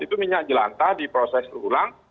itu minyak jelantah diproses ulang